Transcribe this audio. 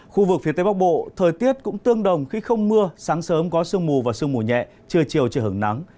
khu vực phía tây bắc bộ thời tiết cũng tương đồng khi không mưa sáng sớm có sương mù và sương mù nhẹ trưa chiều trời hưởng nắng